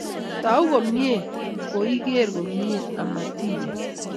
Tau komnye ko iker komnye ama ti bet